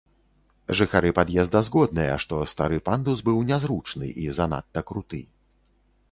Жыхары пад'езда згодныя, што стары пандус быў нязручны і занадта круты.